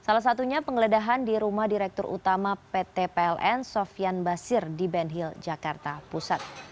salah satunya penggeledahan di rumah direktur utama pt pln sofian basir di benhil jakarta pusat